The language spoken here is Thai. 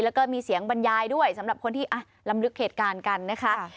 แล้วก็มีเสียงบรรยายด้วยสำหรับคนที่ลำลึกเหตุการณ์กันนะคะ